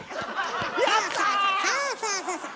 そうそうそうそう！